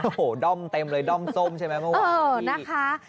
โอ้โหด้อมเต็มเลยด้อมส้มใช่ไหมเมื่อวานนี้นะคะ